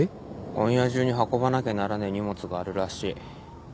今夜中に運ばなきゃならねえ荷物があるらしい。